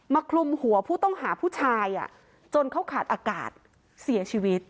คลุมหัวผู้ต้องหาผู้ชายจนเขาขาดอากาศเสียชีวิต